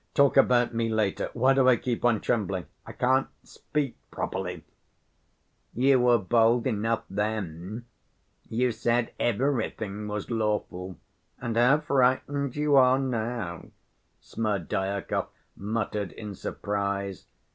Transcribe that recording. Talk about me later. Why do I keep on trembling? I can't speak properly." "You were bold enough then. You said 'everything was lawful,' and how frightened you are now," Smerdyakov muttered in surprise.